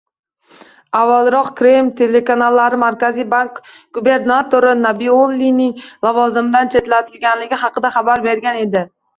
Avvalroq, Kreml telekanallari Markaziy bank gubernatori Nabiullinaning lavozimidan chetlatilgani haqida xabar bergan edi